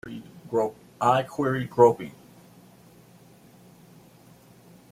I queried, groping.